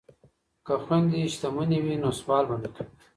که خویندې شتمنې وي نو سوال به نه کوي.